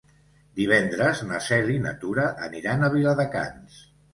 Divendres na Cel i na Tura aniran a Viladecans.